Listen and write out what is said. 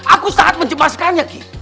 aku sangat mencemaskannya ki